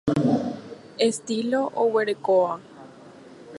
Estilo oguerekóva.